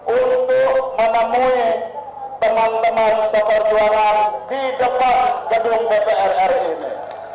untuk menemui teman teman seperjuangan di depan gedung bprr ini